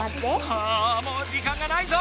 あもう時間がないぞ！